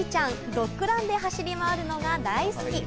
ドッグランで走り回るのが大好き。